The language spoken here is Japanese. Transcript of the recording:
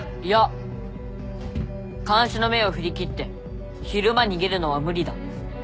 いや監視の目を振り切って昼間逃げるのは無理だ。